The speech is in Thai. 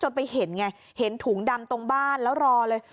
ยังไม่เห็นไงเย็นถุงดำต้องบ้านแล้วรอเลย